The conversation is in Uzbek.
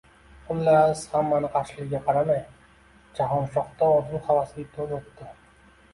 Xullas, hammaning qarshiligiga qaramay, Jahonshohda orzu-havasli to`y o`tdi